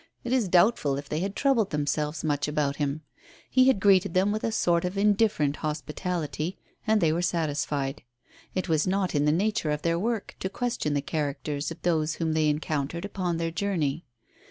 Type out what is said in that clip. It is doubtful if they had troubled themselves much about him. He had greeted them with a sort of indifferent hospitality, and they were satisfied. It was not in the nature of their work to question the characters of those whom they encountered upon their journey.